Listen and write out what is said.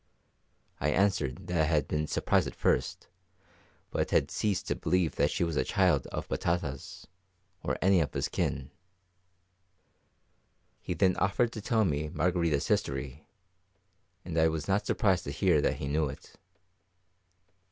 I answered that I had been surprised at first, but had ceased to believe that she was a child of Batata's, or of any of his kin. He then offered to tell me Margarita's history; and I was not surprised to hear that he knew it.